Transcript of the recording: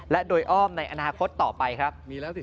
และโดยอ้อมในอนาคตต่อไปครับ